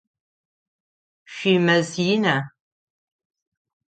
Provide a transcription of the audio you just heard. Шъуимэз ина?